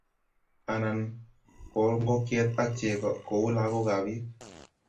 Anan ko ngokyet ak chego kou lagokab bik